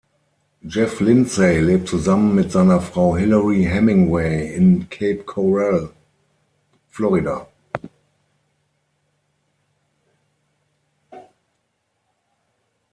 Jeff Lindsay lebt zusammen mit seiner Frau Hilary Hemingway in Cape Coral, Florida.